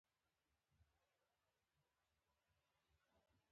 خوړل د زړونو پیوستون دی